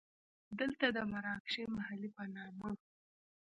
دلته د مراکشي محلې په نامه.